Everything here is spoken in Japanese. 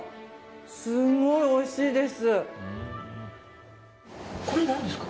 すごいおいしいです。